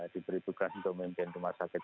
diberi tugas untuk memimpin rumah sakit